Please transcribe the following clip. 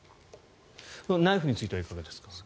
ナイフについてはいかがですか？